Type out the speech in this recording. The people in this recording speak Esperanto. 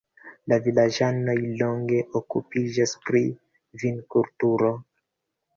La vilaĝanoj longe okupiĝas pri vinkulturo.